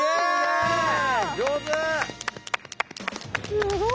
すごい。